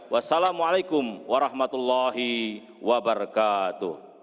wassalamu'alaikum warahmatullahi wabarakatuh